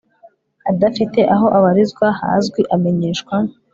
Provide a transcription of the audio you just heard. adafite aho abarizwa hazwi amenyeshwa